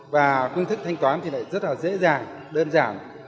và phương thức thanh toán thì lại rất là dễ dàng đơn giản